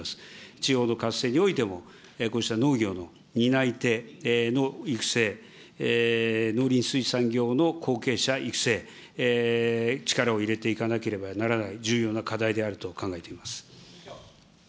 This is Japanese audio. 地方の活性においても、こうした農業の担い手の育成、農林水産業の後継者育成、力を入れていかなければならない重要な課題であると考えています。